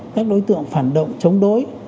các đối tượng phản động chống đối